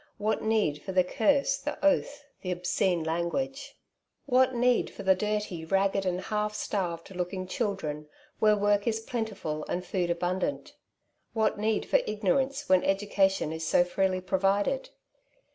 What need for the curse, the oath, the obscene language ? What need for the dirty, ragged, and half starved looking children, where work is plentiful and food abundant ? What need for ignorance when education is so freely provided